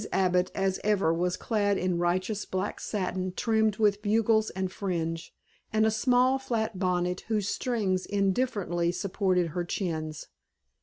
Abbott as ever was clad in righteous black satin trimmed with bugles and fringe, and a small flat bonnet whose strings indifferently supported her chins.